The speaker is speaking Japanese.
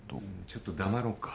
ちょっと黙ろうか。